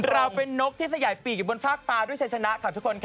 เราเป็นนกที่สยายปีกอยู่บนฟากฟ้าด้วยชัยชนะค่ะทุกคนค่ะ